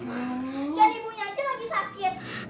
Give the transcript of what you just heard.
jadi ibunya aja lagi sakit